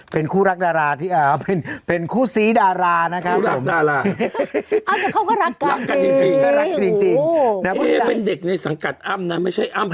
เป็นคู่รักดาราที่เป็นคู่ซีดารานะครับ